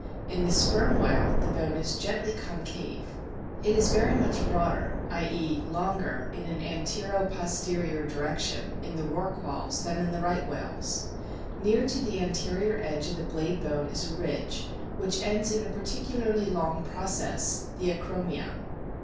In the Sperm whale the bone is gently concave. It is very much broader (i.e., longer in an antero posterior direction) in the Rorquals than in the Right whales. Near to the anterior edge of the blade bone is a ridge, which ends in a particularly long process the acromion.